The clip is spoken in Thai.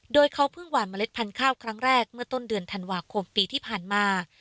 โดยเขาเพิ่งหวานเมล็ดพันธุ์ข้าวครั้งแรกเมื่อต้นเดือนธันวาคมปีที่ผ่านมา